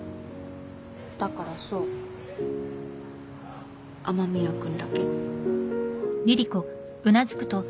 だからそう雨宮君だけ？